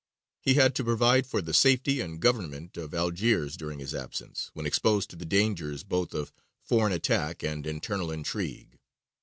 He had to provide for the safety and government of Algiers during his absence, when exposed to the dangers both of foreign attack and internal intrigue.